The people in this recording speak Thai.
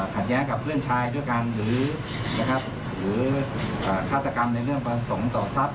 ขัดแย้งกับเพื่อนชายด้วยกันหรือนะครับหรือฆาตกรรมในเรื่องประสงค์ต่อทรัพย